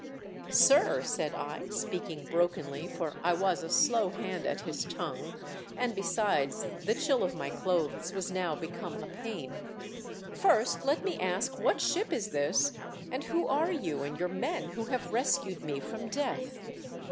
"Sir," said I, speaking brokenly, for I was a slow hand at his tongue, and besides, the chill of my clothes was now become a pain, "first let me ask what ship is this, and who are you and your men who have rescued me from death